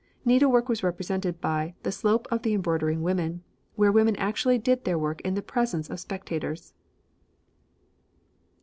Needlework was represented by 'the slope of the embroidering women,' where women actually did their work in the presence of spectators."